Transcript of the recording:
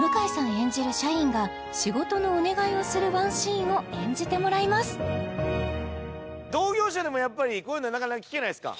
演じる社員が仕事のお願いをするワンシーンを演じてもらいます同業者でもやっぱりこういうのはなかなか聞けないですか？